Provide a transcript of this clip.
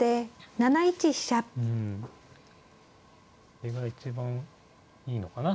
これが一番いいのかな。